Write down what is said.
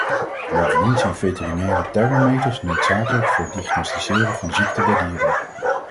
Bovendien zijn veterinaire thermometers noodzakelijk voor het diagnosticeren van ziekten bij dieren.